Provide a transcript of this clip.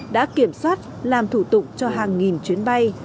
đã kiểm soát làm thủ tục cho hàng nghìn chuyến bay